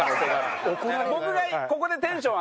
僕がここでテンション